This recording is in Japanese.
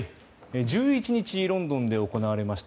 １１日、ロンドンで行われました